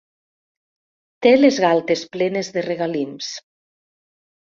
Té les galtes plenes de regalims.